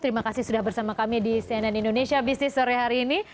terima kasih sudah bersama kami di cnn indonesia business sore hari ini